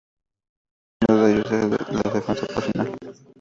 El segundo de ellos es la Defensa Personal.